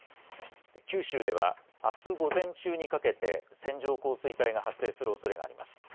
九州ではあす午前中にかけて線状降水帯が発生するおそれがあります。